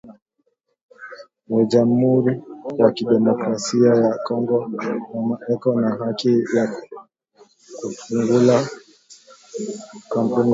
Mu jamuri ya ki democracia ya congo mama eko na haki ya ku fungula kampuni yake